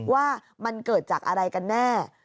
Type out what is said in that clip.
ว่ามันเกิดจากอะไรกันแน่